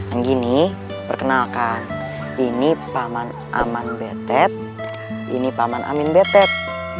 anggini perkenalkan ini paman aman betet ini paman amin betet